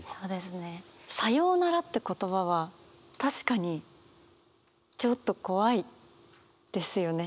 「さようなら」って言葉は確かにちょっと怖いですよね。